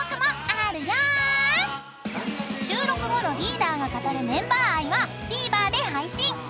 ［収録後のリーダーが語るメンバー愛はＴＶｅｒで配信］